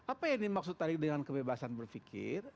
apa yang dimaksud tadi dengan kebebasan berpikir